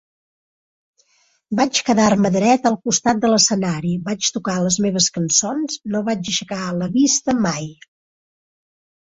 Vaig quedar-me dret al costat de l'escenari, vaig tocar les meves cançons, no vaig aixecar la vista mai.